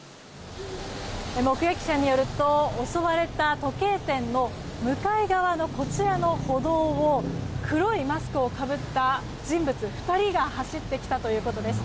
目撃者によると襲われた時計店の向かい側のこちらの歩道を黒いマスクをかぶった人物２人が走ってきたということです。